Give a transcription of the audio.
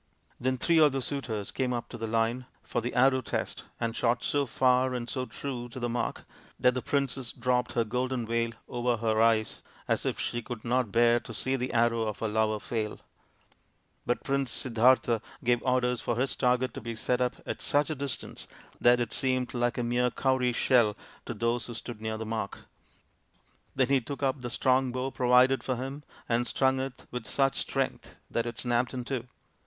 Then three of the suitors came up to the line for the arrow test and shot so far and so true to the mark that the princess dropped her golden .veil over her eyes as if she could not bear to see the arrow of her lover fail But Prince Siddartha gave orders for his target to be set up at such a distance that it seemed like a mere cowrie shell to those who stood near the mark. Then he took up the strong bow provided for him and strung it with such strength that it snapped in two.